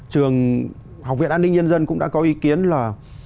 trường học viện an ninh nhân dân cũng đã có ý kiến là